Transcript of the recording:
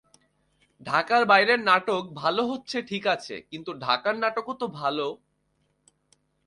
ঢাকার বাইরের নাটক ভালো হচ্ছে ঠিক আছে, কিন্তু ঢাকার নাটকও তো ভালো।